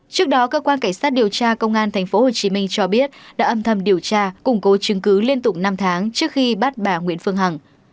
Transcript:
trước đó cơ quan cảnh sát điều tra công an tp hcm cho biết đã âm thầm điều tra củng cố chứng cứ liên tục năm tháng trước khi bắt bà nguyễn phương hằng